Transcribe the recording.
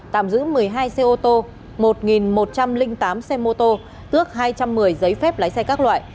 tạm giữ một mươi hai xe ô tô một một trăm linh tám xe mô tô tước hai trăm một mươi giấy phép lái xe các loại